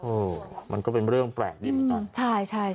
โอ้มันก็เป็นเรื่องแปลกดีมากัน